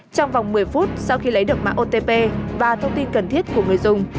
trong vòng một mươi phút sau khi lấy được mạng otp và thông tin cần thiết của người dùng